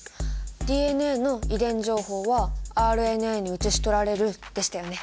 「ＤＮＡの遺伝情報はＲＮＡに写し取られる」でしたよね。